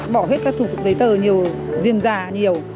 bỏ hết các thủ tục giấy tờ nhiều diêm già nhiều